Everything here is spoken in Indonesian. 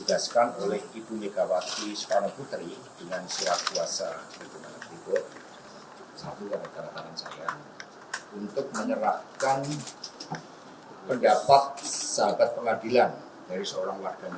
dan ini terlampir dengan juga tulisan tangan